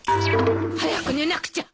早く寝なくちゃ。